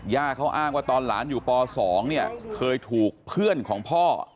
เขาอ้างว่าตอนหลานอยู่ป๒เนี่ยเคยถูกเพื่อนของพ่อ